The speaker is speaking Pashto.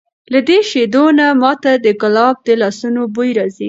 له دې شیدو نه ما ته د کلاب د لاسونو بوی راځي!